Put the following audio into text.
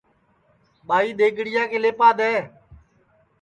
ٻائی دؔیگڑِیا کے لیپا دؔے